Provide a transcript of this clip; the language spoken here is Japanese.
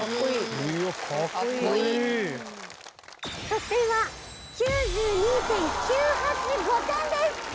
得点は。９２．９８５点です！